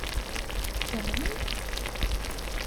Tfehmeḍ-tt?